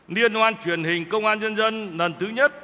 liên hoan truyền hình công an nhân dân lần thứ nhất